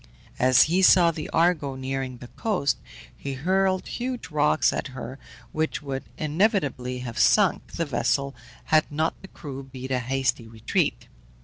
As he saw the Argo nearing the coast, he hurled huge rocks at her, which would inevitably have sunk the vessel had not the crew beat a hasty retreat.